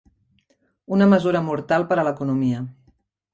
Una mesura mortal per a l'economia.